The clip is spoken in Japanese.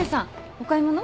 お買い物？